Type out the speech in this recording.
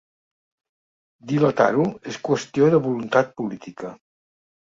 Dilatar-ho és qüestió de voluntat política.